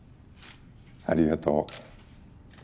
ありがとう。